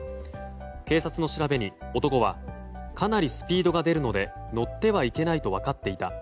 警察の調べに男はかなりスピードが出るので乗ってはいけないと分かっていた。